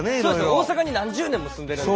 大阪に何十年も住んでるんで。